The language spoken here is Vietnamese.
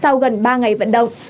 sau gần ba ngày vận động